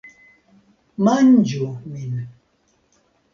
Manĝu Min.